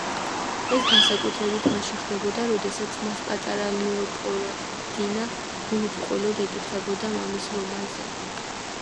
ეს განსაკუთრებით მაშინ ხდებოდა, როდესაც მას პატარა ლეოპოლდინა გულუბრყვილოდ ეკითხებოდა მამის რომანზე.